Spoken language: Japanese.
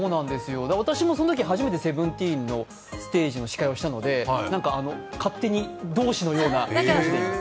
私もそのとき初めて「Ｓｅｖｅｎｔｅｅｎ」のステージの司会をしたので、勝手に同志のような気持ちでいます。